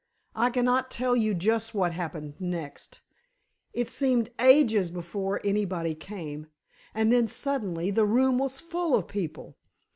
I cannot tell you just what happened next. It seemed ages before anybody came, and then, suddenly the room was full of people.